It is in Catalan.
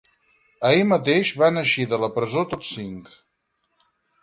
Ahir mateix van eixir de la presó tots cinc.